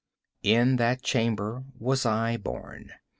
In that chamber was I born.